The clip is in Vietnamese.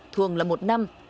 thường là một năm